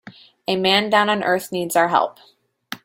A man down on earth needs our help.